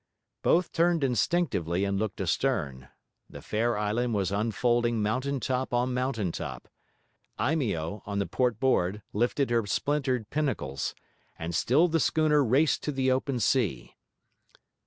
Both turned instinctively and looked astern. The fair island was unfolding mountain top on mountain top; Eimeo, on the port board, lifted her splintered pinnacles; and still the schooner raced to the open sea.